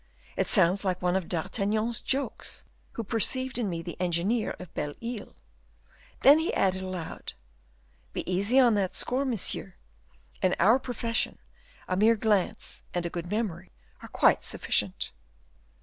It sounds like one of D'Artagnan's jokes, who perceived in me the engineer of Belle Isle." Then he added aloud: "Be easy on that score, monsieur; in our profession, a mere glance and a good memory are quite sufficient."